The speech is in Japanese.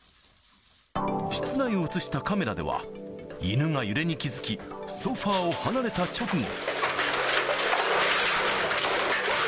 室内を写したカメラでは、犬が揺れに気付き、ソファーを離れた直後。